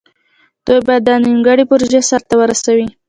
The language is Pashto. دوی باید دا نیمګړې پروژه سر ته ورسوي.